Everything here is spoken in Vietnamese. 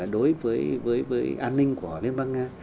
đối với an ninh của liên bang nga